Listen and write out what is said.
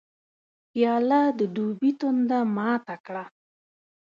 پیاله د دوبي تنده ماته کړي.